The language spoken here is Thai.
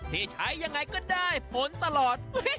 ที่ใช้ยังไงก็ได้ผลตลอด